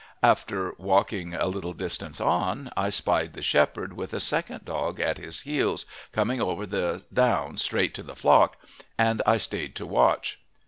After walking a little distance on, I spied the shepherd with a second dog at his heels, coming over the down straight to the flock, and I stayed to watch.